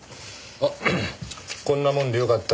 あっこんなもんでよかったらどうぞ。